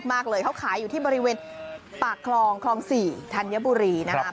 มากเลยเขาขายอยู่ที่บริเวณปากคลองคลอง๔ธัญบุรีนะครับ